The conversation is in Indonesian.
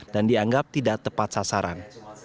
dan dianggap tidak tepat sasaran